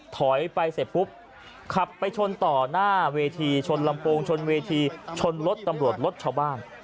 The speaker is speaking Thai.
ถอยไปเสร็จปุ๊บขับไปชนต่อหน้าเวทีชนลำโปรงชนเวทีชนรถตำรวจรถชาวบ้าน